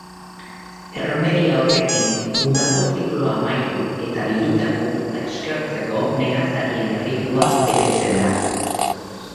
Erromeria horrekin udako zikloa amaitu eta bildutako uzta eskertzeko nekazarien erritua betetzen da.